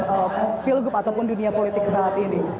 dalam pilgub ataupun dunia politik saat ini